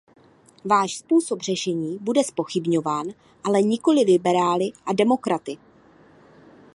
Váš způsob řešení bude zpochybňován, ale nikoli liberály a demokraty.